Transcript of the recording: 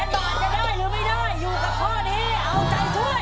๐บาทจะได้หรือไม่ได้อยู่กับข้อนี้เอาใจช่วย